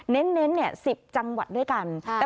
เน้นเน้นเนี่ยสิบจังหวัดด้วยกันใช่